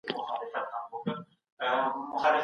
د تحليل خاوندان تل کتابونه لولي.